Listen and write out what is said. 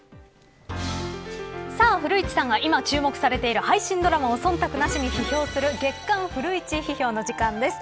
古市さんが今注目されている配信ドラマを忖度なしに批評する月刊フルイチ批評の時間です。